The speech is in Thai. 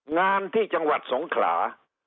งานที่จังหวัดสงขลา